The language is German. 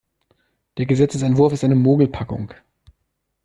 Der Gesetzesentwurf ist eine Mogelpackung.